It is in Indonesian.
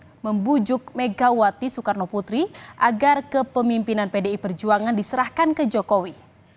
sudut membujuk megawati soekarnoputri agar kepemimpinan pdi perjuangan diserahkan ke jokowi